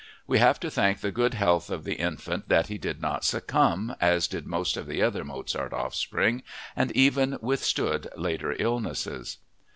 We have to thank the good health of the infant that he did not succumb, as did most of the other Mozart offspring, and even withstood later illnesses.